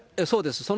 そうです。